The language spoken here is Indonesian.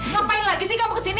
ngapain lagi sih kamu kesini